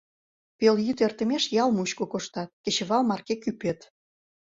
Пелйӱд эртымеш ял мучко коштат, кечывал марке кӱпет!..